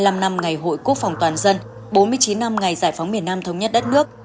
bảy mươi năm năm ngày hội quốc phòng toàn dân bốn mươi chín năm ngày giải phóng miền nam thống nhất đất nước